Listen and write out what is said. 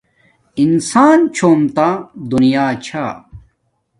انسان چھوم تا دینا چھا